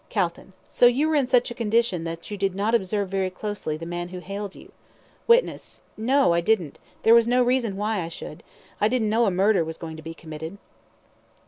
CALTON: So you were in such a condition that you did not observe very closely the man who hailed you? WITNESS: No, I didn't there was no reason why I should I didn't know a murder was going to be committed.